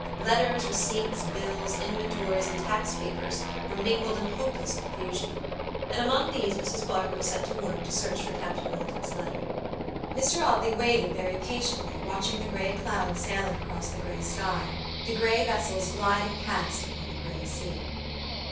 Letters, receipts, bills, inventories and tax papers were mingled in hopeless confusion; and among these Mrs. Barkamb set to work to search for Captain Maldon's letter. Mr. Audley waited very patiently, watching the gray clouds sailing across the gray sky, the gray vessels gliding past upon the gray sea.